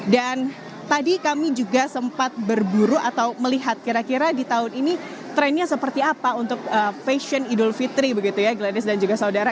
dan tadi kami juga sempat berburu atau melihat kira kira di tahun ini trennya seperti apa untuk fashion idul fitri begitu ya glenis dan juga saudara